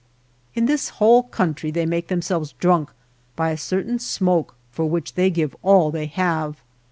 In this whole country they make them selves drunk by a certain smoke for which they give all they have.